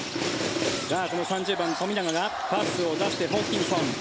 この３０番、富永がパスを出してホーキンソン。